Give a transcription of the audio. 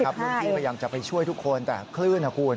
พยายามจะไปช่วยทุกคนแต่คลื่น